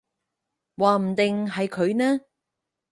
話唔定係佢呢